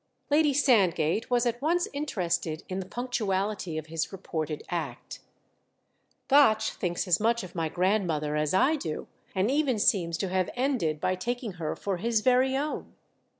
Lady Sandgate was at once interested in the punctuality of his reported act. "Gotch thinks as much of my grandmother as I do—and even seems to have ended by taking her for his very own."